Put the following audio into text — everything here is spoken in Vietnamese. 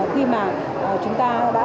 khi mà chúng ta đã